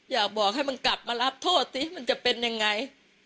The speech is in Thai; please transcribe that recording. อยากบอกให้มันกลับมารับโทษสิมันจะเป็นยังไง